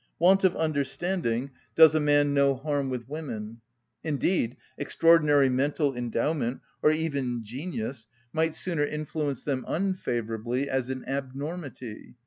Want of understanding does a man no harm with women; indeed extraordinary mental endowment, or even genius, might sooner influence them unfavourably as an abnormity.